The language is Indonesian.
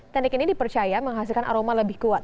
teknik ini dipercaya menghasilkan aroma lebih kuat